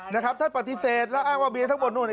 นะครับท่านปฏิเสธแล้วอ้างว่าเบียร์ทั้งหมดนู่น